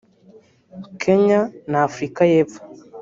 Kenya na Afurika y’Epfo